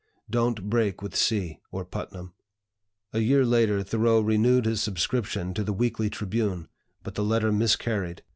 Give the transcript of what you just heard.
Don't break with C. or Putnam." A year later, Thoreau renewed his subscription to the "Weekly Tribune," but the letter miscarried.